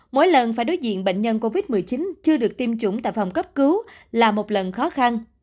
mỗi lần phải đối diện bệnh nhân covid một mươi chín chưa được tiêm chủng tại phòng cấp cứu là một lần khó khăn